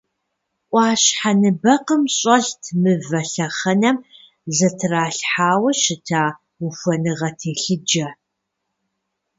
Ӏуащхьэ ныбэкъым щӀэлът мывэ лъэхъэнэм зэтралъхьауэ щыта ухуэныгъэ телъыджэ.